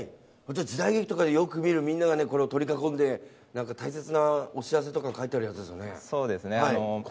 時代劇とかでよく見るみんなが取り囲んで大切なお知らせとか書いてあるやつですよね。